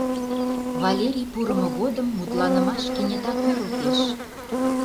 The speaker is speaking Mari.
Валерий пурымо годым мутланымаш кенета кӱрылтеш.